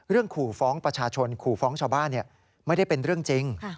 ขู่ฟ้องประชาชนขู่ฟ้องชาวบ้านไม่ได้เป็นเรื่องจริง